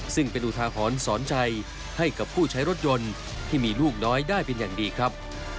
ซึ่งเป็นอุทาหรณ์สอนใจให้กับผู้ใช้รถยนต์ที่มีลูกน้อยได้เป็นอย่างดีครับ